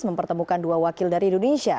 mempertemukan dua wakil dari indonesia